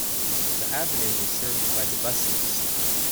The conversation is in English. The avenue is served by the buses.